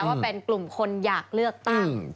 ว่าเป็นกลุ่มคนอยากเลือกตั้ง